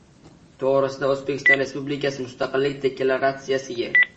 to'g'risida O'zbekiston Respublikasi Mustaqillik Deklaratsiyasiga